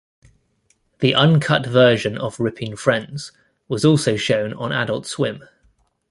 The uncut version of Ripping Friends was also shown on Adult Swim.